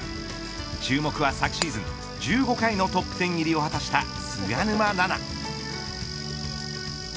注目は、昨シーズン１５回のトップ１０入りを果たした菅沼菜々。